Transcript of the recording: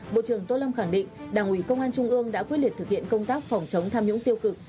bộ trưởng tô lâm khẳng định đảng ủy công an trung ương đã quyết liệt thực hiện công tác phòng chống tham nhũng tiêu cực